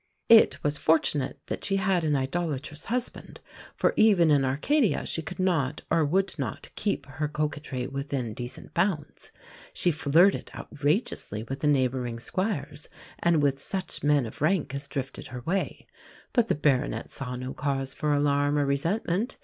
It was fortunate that she had an idolatrous husband; for even in Arcadia she could not, or would not, keep her coquetry within decent bounds. She flirted outrageously with the neighbouring squires and with such men of rank as drifted her way; but the baronet saw no cause for alarm or resentment.